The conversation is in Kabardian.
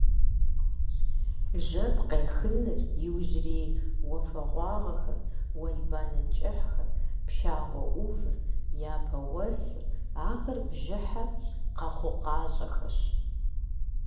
Жэп къехыныр, иужьрей уафэгъуагъуэр, уэлбанэ кӏыхьхэр, пшагъуэ ӏувыр, япэ уэсыр – ахэр бжьыхьэ къэхъукъащӏэхэщ.